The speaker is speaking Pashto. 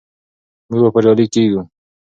موږ به بریالي کیږو.